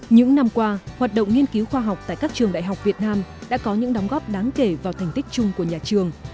những năm qua hoạt động nghiên cứu khoa học tại các trường đại học việt nam đã có những đóng góp đáng kể vào thành tích chung của nhà trường